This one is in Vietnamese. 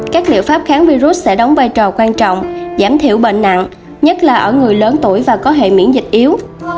các liệu pháp kháng virus sẽ đóng vai trò quan trọng giảm thiểu bệnh nặng nhất là ở người lớn tuổi và có hệ miễn dịch yếu